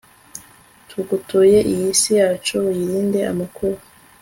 tugutuye iyi si yacu, uyirinde amakuba